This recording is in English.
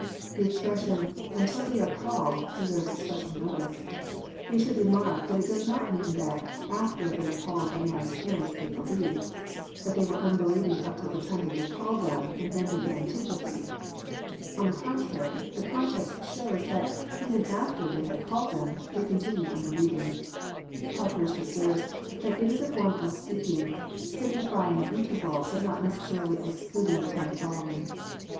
The expression, " until they called," deserves special notice. We should remark that It does not mean that " after they called the man's parents they believed,— that they were unbelieving up to the time that they called them, and then began to believe." On the contrary, the context shows that even after \ 156 EXPOSITORY IHOUGHTS. • they had called them they contlniied unbelieving. Parkhnrst observes that it is a form of speaking, *' signifying an interyal, but not necessarily exclading the time following."